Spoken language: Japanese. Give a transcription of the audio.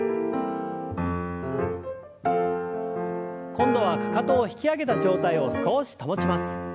今度はかかとを引き上げた状態を少し保ちます。